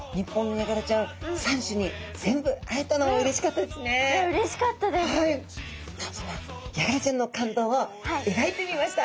ヤガラちゃんの感動を描いてみました。